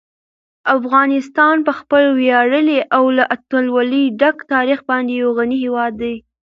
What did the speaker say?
افغانستان په خپل ویاړلي او له اتلولۍ ډک تاریخ باندې یو غني هېواد دی.